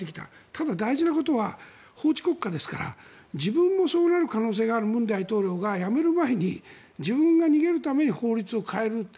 ただ大事なことは法治国家ですから自分もそうなる可能性がある文大統領が辞める前に自分が逃げるために法律を変える。